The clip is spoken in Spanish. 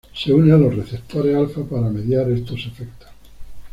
Se une a los receptores alfa para mediar estos efectos.